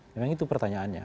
memang itu pertanyaannya